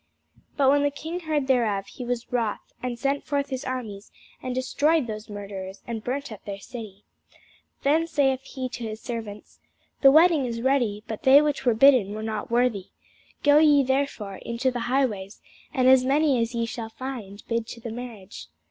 But when the king heard thereof, he was wroth: and he sent forth his armies, and destroyed those murderers, and burned up their city. Then saith he to his servants, The wedding is ready, but they which were bidden were not worthy. Go ye therefore into the highways, and as many as ye shall find, bid to the marriage.